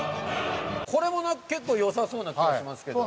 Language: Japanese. これも結構良さそうな気がしますけど。